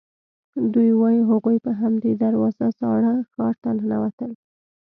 دوی وایي هغوی په همدې دروازو زاړه ښار ته ننوتل.